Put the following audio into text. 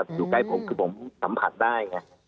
อยู่ใกล้ผมผมคือสัมผัสได้